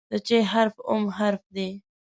د "چ" حرف اووم حرف دی.